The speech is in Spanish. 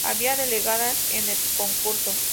Había delegadas en el concurso.